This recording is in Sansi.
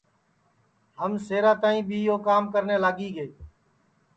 ہم شہرا تک بھی یو کام کرنے لاگی گے تیے